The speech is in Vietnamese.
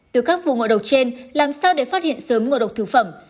từ các vụ ngộ độc trên làm sao để phát hiện sớm ngộ độc thực phẩm